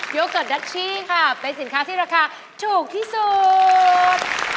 โยเกิร์ตดัชชี่ค่ะเป็นสินค้าที่ราคาถูกที่สุด